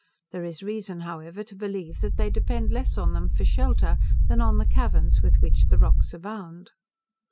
There is reason, however, to believe, that they depend less on them for shelter, than on the caverns with which the rocks abound.